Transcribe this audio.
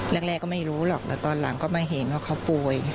แรกก็ไม่รู้หรอกแต่ตอนหลังก็มาเห็นว่าเขาป่วย